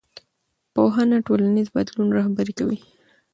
پوهنه ټولنیز بدلون رهبري کوي